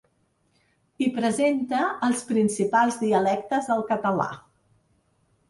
Hi presenta els principals dialectes del català.